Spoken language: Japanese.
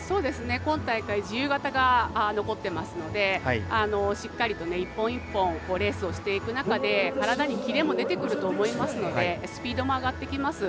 今大会自由形が残ってますのでしっかりとね一本一本レースをしていく中で体にキレも出てくると思いますのでスピードも上がってきます。